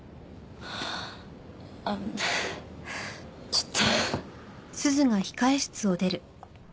あっちょっと。